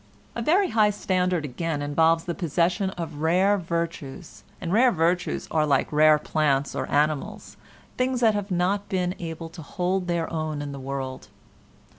A very high standard, again, involves the possession of rare virtues, and rare virtues are like rare plants or animals, things that have not been able to hold their own in the world.